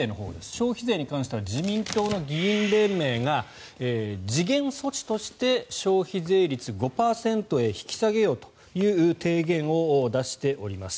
消費税に関しては自民党の議員連盟が時限措置として、消費税率５％へ引き下げようという提言を出しています。